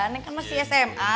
neng kan masih sma